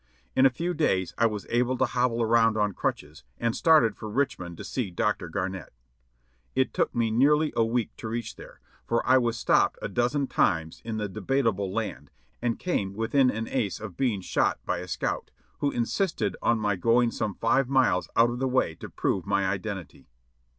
In a few days I was able to hobble around on crutches, and started for Richmond to see Dr. Garnett. It took me nearly a week to reach there, for I was stopped a dozen times in the "Debatable Land," and came within an ace of being shot by a scout, who insisted on my going some five miles out of the way to prove my identity.